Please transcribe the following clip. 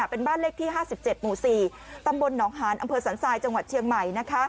เป็นบ้านเลขที่๕๗หมู่๔ตำบลหนองหานอำเภอสันทรายจังหวัดเชียงใหม่